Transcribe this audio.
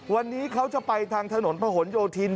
วันนี้เขาจะไปทางถนนพะหนโยธิน